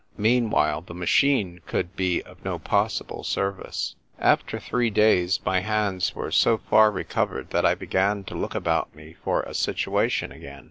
Meanwhile, the machine could be of no pos sible service. After three days, my hands were so far re covered that I began to look about me for a situation again.